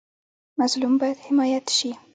مظلوم باید حمایت شي